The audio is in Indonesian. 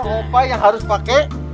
nanti opa yang harus pakai